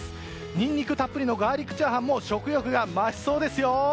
ニンニクたっぷりのガーリックチャーハンも食欲が増しそうですよ！